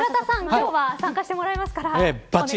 今日は参加してもらえますか。